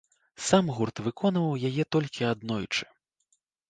Сам гурт выконваў яе толькі аднойчы.